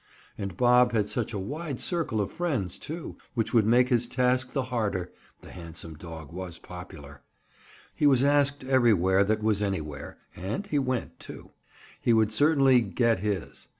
And Bob had such a wide circle of friends, too, which would make his task the harder; the handsome dog was popular. He was asked everywhere that was anywhere and he went, too. He would certainly "get his."